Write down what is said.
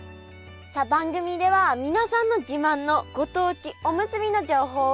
さあ番組では皆さんの自慢のご当地おむすびの情報をお待ちしております。